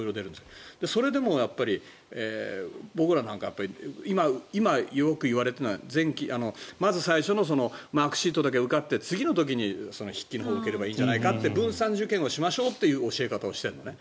それでもう僕らなんか今、よく言われているのは最初のマークシートだけは受かって次の時に筆記のほうを受ければいいんじゃないかって分散受験をしましょうって教え方をしているのね。